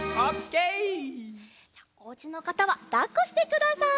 じゃあおうちのかたはだっこしてください。